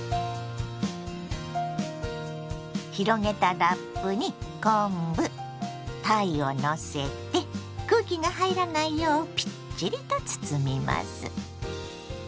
広げたラップに昆布たいをのせて空気が入らないようぴっちりと包みます。